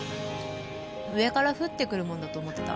上から降ってくるもんだと思ってた